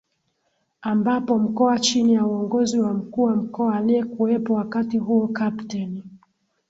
ambapo mkoa chini ya uongozi wa Mkuu wa Mkoa aliyekuwepo wakati huo Capteni